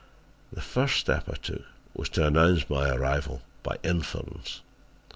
The first step I took was to announce my arrival by inference.